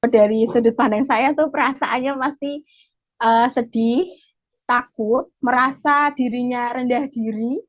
dari sudut pandang saya tuh perasaannya masih sedih takut merasa dirinya rendah diri